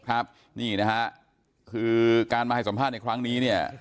ครับนี่นะฮะคือการมาให้สัมภาษณ์ในครั้งนี้เนี่ย